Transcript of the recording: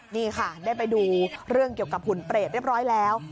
นี่ค่ะได้ไปดูเรื่องเกี่ยวกับหุ่นเปรตเรียบร้อยแล้ว